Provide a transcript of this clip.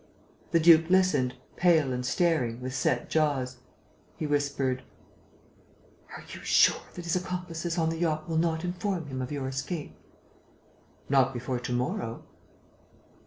The duke listened, pale and staring, with set jaws. He whispered: "Are you sure that his accomplices on the yacht will not inform him of your escape?" "Not before to morrow."